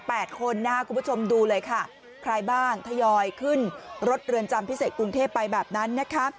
คนนะครับคุณผู้ชมดูเลยค่ะใครบ้างทยอยขึ้นรถเรือนจำพิเศษกรุงเทพไปแบบนั้นนะคะ